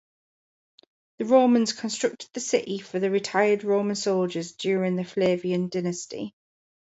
The Romans constructed the city for the retired Roman soldiers during the Flavian dynasty.